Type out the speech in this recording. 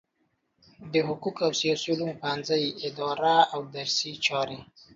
د حقوقو او سیاسي علومو پوهنځی اداري او درسي چارې